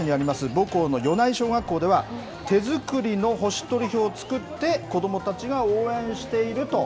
母校の米内小学校では、手作りの星取り表を作って、子どもたちが応援していると。